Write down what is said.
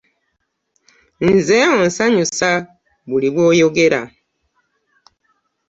Nze onsanyusa buli bw'oyogera.